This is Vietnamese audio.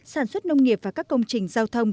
sản xuất nông nghiệp và các công trình giao thông